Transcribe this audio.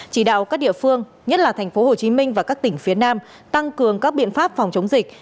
chỉ đạo các địa phương nhất là thành phố hồ chí minh và các tỉnh phía nam tăng cường các biện pháp phòng chống dịch